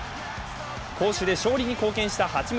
攻守で勝利に貢献した八村。